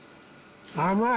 甘い！